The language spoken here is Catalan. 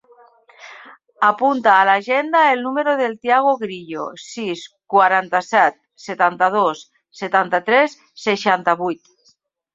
Apunta a l'agenda el número del Thiago Grillo: sis, quaranta-set, setanta-dos, setanta-tres, seixanta-vuit.